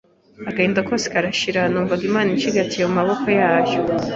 agahinda kose karashira numvaga Imana incigatiye mu maboko yayo,